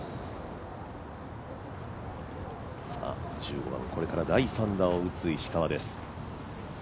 １５番、これから第３打を打つ石川です。